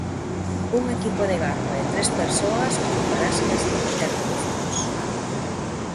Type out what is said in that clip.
Un equipo de garda de tres persoas ocuparase das intervencións.